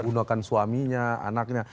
untuk menggunakan suaminya anaknya